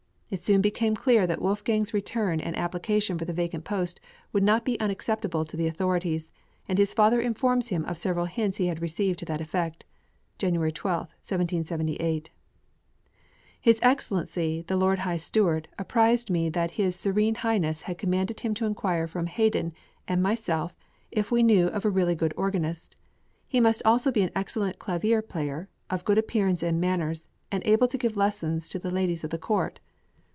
It soon became clear that Wolfgang's return and application for the vacant post would not be unacceptable to the authorities; and his father informs him of several hints he had received to that effect (January 12, 1778): His Excellency the Lord High Steward apprised me that his Serene Highness had commanded him to inquire from Haydn and myself if we knew of a really good organist; he must also be an excellent clavier player, of good appearance and manners, and able to give lessons to the ladies of the court.